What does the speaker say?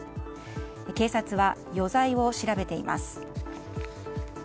警察は余罪を調べています。